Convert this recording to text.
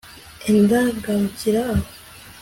enda garukira aho